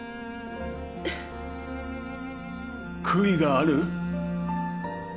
悔いがある？